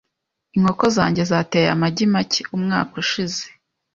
Inkoko zanjye zateye amagi make umwaka ushize .